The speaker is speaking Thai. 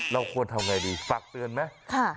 เราควรทำไงดีฝากเตือนไหม